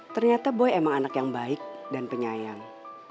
ternyata boy emang anak yang baik dan penyayang